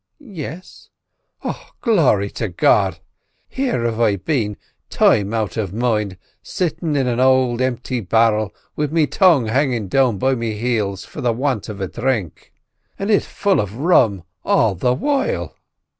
_" "Yes." "Oh, glory be to God! Here have I been, time out of mind, sittin' on an ould empty bar'l, with me tongue hangin' down to me heels for the want of a drink, and it full of rum all the while!"